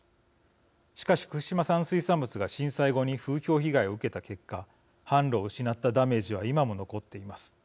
しかし、福島産水産物が震災後に風評被害を受けた結果販路を失ったダメージは今も残っています。